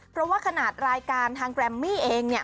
เพราะว่าขนาดรายการทางแกรมมี่เองเนี่ย